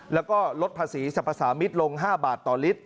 แล้วก็ลดภาษีจากภาษามิดลง๕บาทต่อลิตร